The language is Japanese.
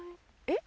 え？